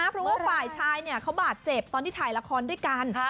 เพราะว่าฝ่ายชายเขาบาดเจ็บตอนที่ถ่ายละครด้วยกัน